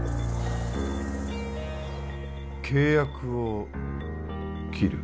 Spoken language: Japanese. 契約を切る？